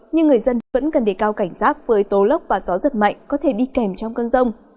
nhưng người dân vẫn cần đề cao cảnh giác với tố lốc và gió giật mạnh có thể đi kèm trong cơn rông